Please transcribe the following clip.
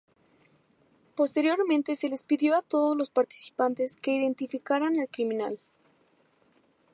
Posteriormente se les pidió a todos los participantes que identificaran al criminal.